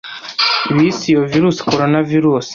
bise iyo virusi coronavirus